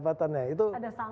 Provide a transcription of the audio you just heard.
ada sanksi begitu